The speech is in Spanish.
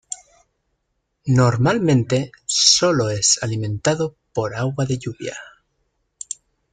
Normalmente, solo es alimentado por agua de lluvia.